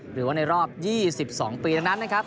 หรือว่าในรอบ๒๒ปีดังนั้นนะครับ